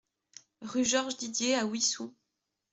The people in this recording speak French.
Rue Georges Didier à Wissous